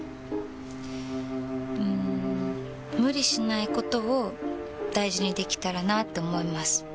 うん無理しないことを大事にできたらなって思います。